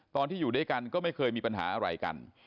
ที่อยู่ด้วยกันก็ไม่เคยมีปัญหาอะไรกัน